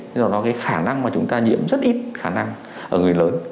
thế là nó cái khả năng mà chúng ta nhiễm rất ít khả năng ở người lớn